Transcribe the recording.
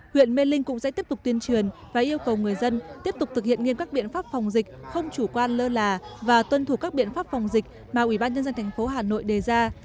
huyện mê linh cũng sẽ tiếp tục tuyên truyền và yêu cầu người dân tiếp tục thực hiện nghiêm các biện pháp phòng dịch không chủ quan lơ là và tuân thủ các biện pháp phòng dịch mà ubnd tp hà nội đề ra